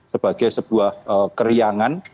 sebagai sebuah keriangan